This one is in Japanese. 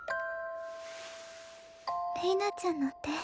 れいなちゃんの手